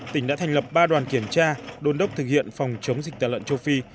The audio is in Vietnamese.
tỉnh đã thành lập ba đoàn kiểm tra đôn đốc thực hiện phòng chống dịch tả lợn châu phi